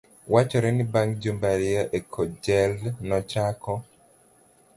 Wachore ni bang' jumbe ariyo e kolej, nochako